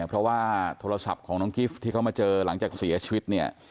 เพราะว่าโทรศัพท์ของน้องกิฟต์ที่เขามาเจอหลังจากเสียชีวิตเนี่ย